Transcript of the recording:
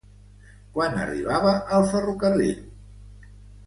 Quan arribava el ferrocarril?